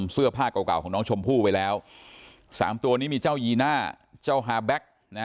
เสื้อผ้าก่อก่อนของน้องชมผู้ไปแล้วสามตัวนี้มีเจ้ายีนะเจ้าฮาแบก